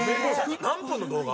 何分の動画？